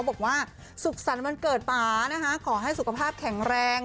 บอกว่าสุขสรรค์วันเกิดป่านะคะขอให้สุขภาพแข็งแรง